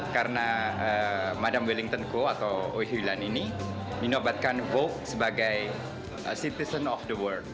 karena madam wellington co atau uihwilan ini menobatkan vogue sebagai citizen of the world